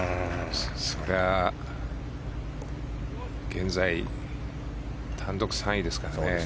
それは現在、単独３位ですからね。